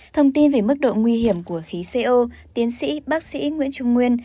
thông tin về mức độ nguy hiểm của khí co tiến sĩ bác sĩ nguyễn trung nguyên